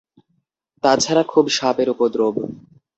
তা ছাড়া খুব সাপের উপদ্রব।